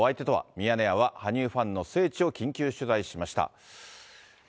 ミヤネ屋は羽生ファンの聖地を緊急取材しました。